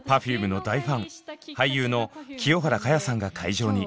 Ｐｅｒｆｕｍｅの大ファン俳優の清原果耶さんが会場に。